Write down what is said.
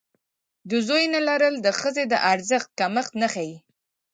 د زوی نه لرل د ښځې د ارزښت کمښت نه ښيي.